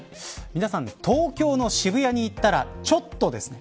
皆さん東京の渋谷に行ったらちょっとですね